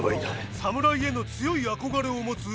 侍への強い憧れを持つイチ。